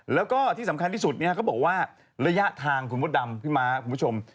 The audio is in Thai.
แล้วก็ที่สำคัญที่สุดเนี่ยเขาบอกว่าระยะทางคุณมดดำพี่ม้าคุณผู้ชม